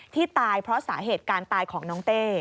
ที่ตายเพราะสาเหตุการตายของน้องเต้